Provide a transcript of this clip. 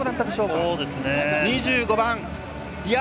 ２５番。